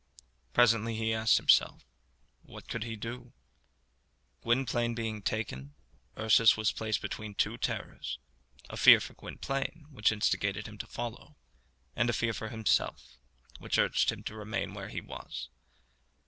Presently he asked himself, What could he do? Gwynplaine being taken, Ursus was placed between two terrors a fear for Gwynplaine, which instigated him to follow; and a fear for himself, which urged him to remain where he was.